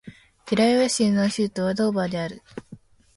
デラウェア州の州都はドーバーである